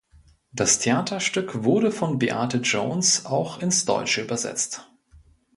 Das Theaterstück wurde von Beate Jones auch ins Deutsche übersetzt.